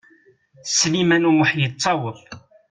Sliman U Muḥ yettaweḍ.